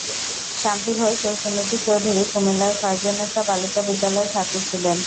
শান্তি ঘোষ ও সুনীতি চৌধুরী কুমিল্লার ফয়জুন্নেসা বালিকা বিদ্যালয়ের ছাত্রী ছিলেন।